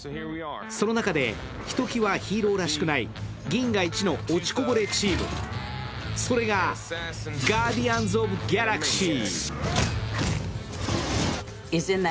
その中でひときわヒーローらしくない、銀河一の落ちこぼれチーム、それがガーディアンズ・オブ・ギャラクシー。